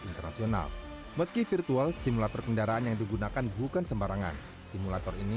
internasional meski virtual simulator kendaraan yang digunakan bukan sembarangan simulator ini